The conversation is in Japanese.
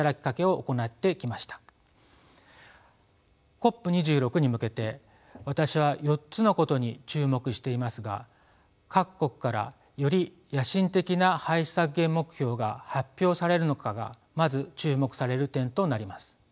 ＣＯＰ２６に向けて私は４つのことに注目していますが各国からより野心的な排出削減目標が発表されるのかがまず注目される点となります。